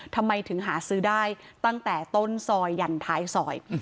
ทำไมถึงหาซื้อได้ตั้งแต่ต้นซอยยันท้ายซอย